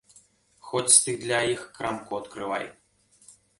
Хоць ты для іх крамку адкрывай!